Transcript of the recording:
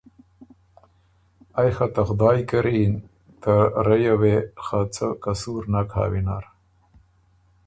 ائ خه ته خدایٛ کری یِن، ته رئ یه وې خه څه قصور نک هۀ وینر۔